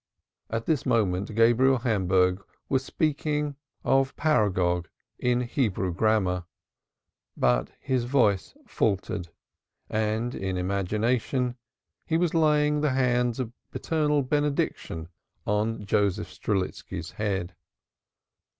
At this moment Gabriel Hamburg was speaking of paragoge in Hebrew grammar, but his voice faltered and in imagination he was laying hands of paternal benediction on Joseph Strelitski's head.